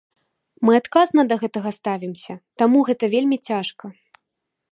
Мы адказна да гэтага ставімся, таму гэта вельмі цяжка.